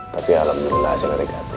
tapi alhamdulillah hasilnya negatif